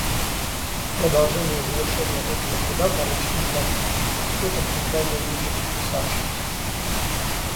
Продолжение и завершение этого труда поручено редакторским комитетом издания нижеподписавшемуся.